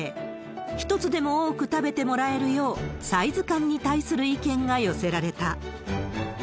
一つでも多く食べてもらえるよう、サイズ感に対する意見が寄せられた。